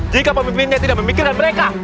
jika pemimpinnya tidak memikirkan mereka